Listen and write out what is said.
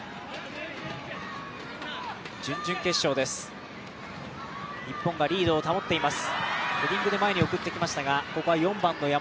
準々決勝です、日本がリードを保っています。